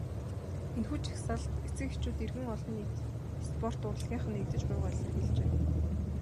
Энэхүү жагсаалд эцэг эхчүүд, иргэд олон нийт, спорт, урлагийнхан нэгдэж буйгаа илэрхийлжээ.